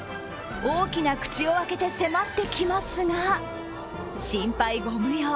大きな口を開けて迫ってきますが、心配ご無用。